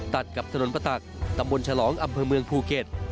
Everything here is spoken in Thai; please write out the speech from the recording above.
ตัดกับถนนประตักตำบลฉลองอำเภอเมืองภูเก็ต